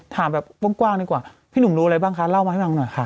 ถามแบบกว้างดีกว่าพี่หนุ่มรู้อะไรบ้างคะเล่ามาให้ฟังหน่อยค่ะ